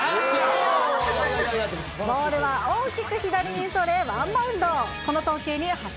ボールは大きく左にそれ、ワンバウンド。